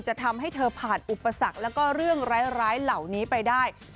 จะทำให้เธอผ่านอุปสรรคแล้วก็เรื่องร้ายเหล่านี้ไปได้